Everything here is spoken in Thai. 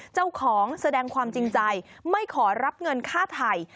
แสดงความจริงใจไม่ขอรับเงินค่าไทย